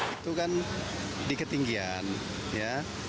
itu kan di ketinggian ya